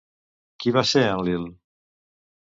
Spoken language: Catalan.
Qui va ser Enlil?